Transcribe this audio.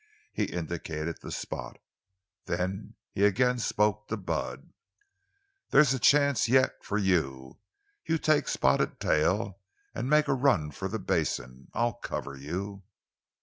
He indicated the spot. Then he again spoke to Bud. "There's a chance yet—for you. You take Spotted Tail and make a run for the basin. I'll cover you."